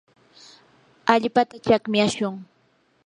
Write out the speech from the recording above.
allpata chakmyashun.